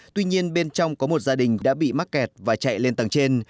tuy nhiên bên trong có một gia đình đã bị mắc kẹt và chạy lên tầng trên